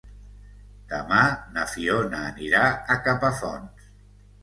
Demà na Fiona anirà a Capafonts.